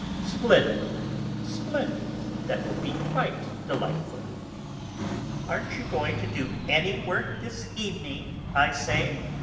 Splendid, splendid, that will be quite delightful.... "Aren't you going to do any work this evening, I say?"